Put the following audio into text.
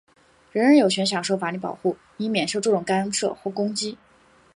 人人有权享受法律保护,以免受这种干涉或攻击。